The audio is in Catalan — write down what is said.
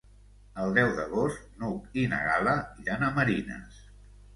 El deu d'agost n'Hug i na Gal·la iran a Marines.